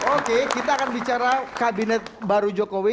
oke kita akan bicara kabinet baru jokowi